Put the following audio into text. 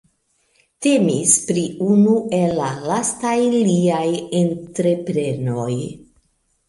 Temis pri unu el la lastaj liaj entreprenoj.